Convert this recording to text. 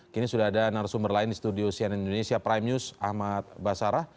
kini sudah ada narasumber lain di studio cnn indonesia prime news ahmad basarah